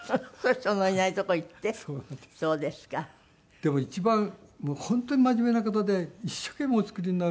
でも一番本当に真面目な方で一生懸命お作りになるんで。